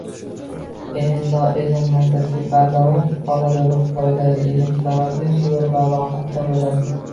Illo ilm lazzati bardavom qoladi, ruh foydali ilm sababli huzur va rohatda boʻladi